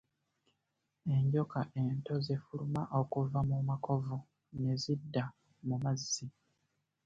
Enjoka ento zifuluma okuva mu makovu ne zidda mu mazzi.